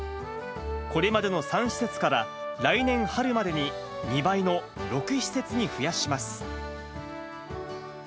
これまでの３施設から来年春までに２倍の６施設に増やします。